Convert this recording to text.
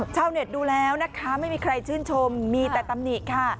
ชาวเน็ตดูแล้วนะคะไม่มีใครชื่นชมมีแต่ตำหนิค่ะ